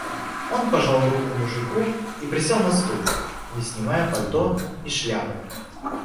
Он пожал руку мужику и присел на стул, не снимая пальто и шляпы.